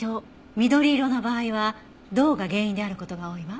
緑色の場合は銅が原因である事が多いわ。